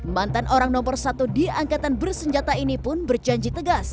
mantan orang nomor satu di angkatan bersenjata ini pun berjanji tegas